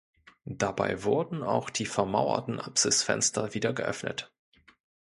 Dabei wurden auch die vermauerten Apsisfenster wieder geöffnet.